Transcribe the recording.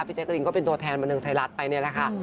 พี่เจ๊กริงก็เป็นตัวแทนมานึงไทยรัฐไปนี่แหละค่ะ